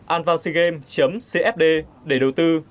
advancedgame cfd để đầu tư